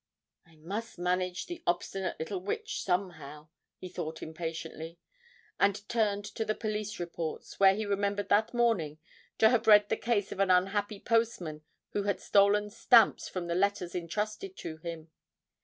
'I must manage the obstinate little witch somehow,' he thought impatiently, and turned to the police reports, where he remembered that morning to have read the case of an unhappy postman who had stolen stamps from the letters entrusted to him.